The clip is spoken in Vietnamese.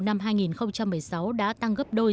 năm hai nghìn một mươi sáu đã tăng gấp đôi